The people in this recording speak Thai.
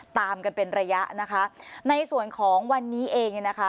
ตามกันเป็นระยะนะคะในส่วนของวันนี้เองเนี่ยนะคะ